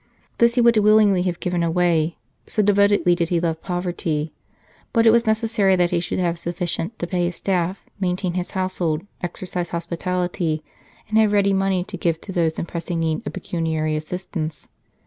This he would willingly have given away, so devotedly did he love poverty ; but it was necessary that he should have sufficient to pay his staff, maintain his household, exercise hospitality, and have ready money to give to those in pressing need of pecuniary assistance.